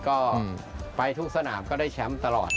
ก็ไปทุกสนามก็ได้แชมป์ตลอด